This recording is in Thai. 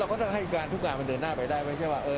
เราก็จะให้การทุกงานมันเดินหน้าไปได้ไหมคิดว่า